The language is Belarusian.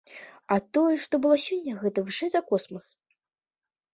А тое, што было сёння, гэта вышэй за космас.